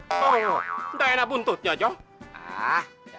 tidak enak untuknya